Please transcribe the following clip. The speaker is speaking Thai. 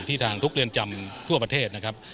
ทางทุกเรือนจำทั่วประเทศนะครับ